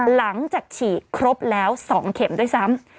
หลังจากฉีดครบแล้ว๒เข็มด้วยซ้ำ